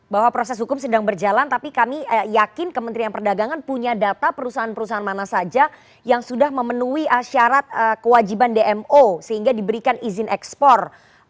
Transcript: bahwa proses hukum sedang berjalan tapi kami yakin kementerian perdagangan punya data perusahaan perusahaan mana saja yang sudah memenuhi syarat kewajiban dmo sehingga diberikan izin ekspor